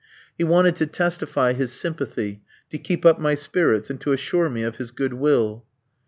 He wanted to testify his sympathy, to keep up my spirits, and to assure me of his good will.